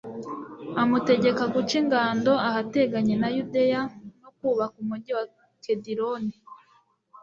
amutegeka guca ingando ahateganye na yudeya no kubaka umugi wa kedironi